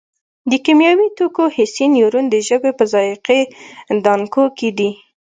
د کیمیاوي توکو حسي نیورون د ژبې په ذایقې دانکو کې دي.